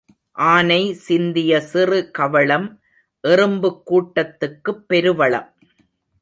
ஆனை சிந்திய சிறு கவளம் எறும்புக் கூட்டத்துக்குப் பெருவளம்.